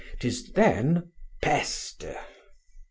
'Tis then Peste!